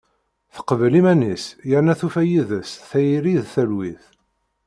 Teqbel iman-is, yerna tufa yid-s tayri d talwit.